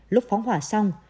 lúc phóng hỏa xong